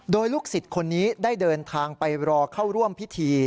โดยลูกศิษย์คนนี้ได้เดินทางไปรอเข้าร่วมพิธี